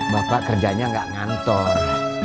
bapak kerjanya gak ngantor